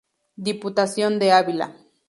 Diputación de Ávila.